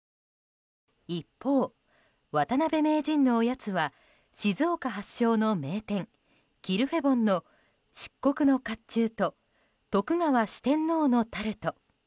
一方、渡辺名人のおやつは静岡発祥の名店キルフェボンの、漆黒の甲冑と徳川四天王のタルト。